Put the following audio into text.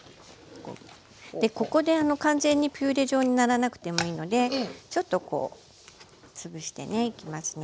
ここで完全にピューレ状にならなくてもいいのでちょっとこう潰してねいきますね。